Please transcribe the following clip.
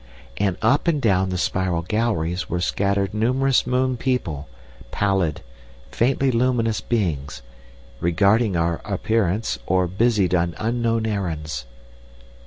And up and down the spiral galleries were scattered numerous moon people, pallid, faintly luminous beings, regarding our appearance or busied on unknown errands.